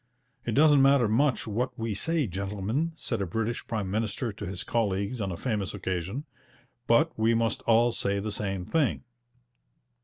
'It doesn't matter much what we say, gentlemen,' said a British prime minister to his colleagues on a famous occasion, 'but we must all say the same thing.'